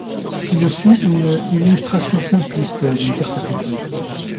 Ci-dessus une illustration simpliste d'une carte à puce.